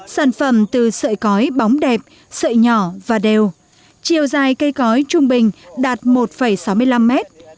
sản phẩm từ sợi cói bóng đẹp sợi nhỏ và đều chiều dài cây cói trung bình đạt một sáu mươi năm mét